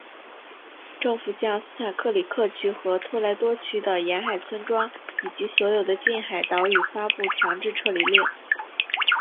政府向斯坦克里克区和托莱多区的沿海村庄以及所有的近海岛屿发布强制撤离令。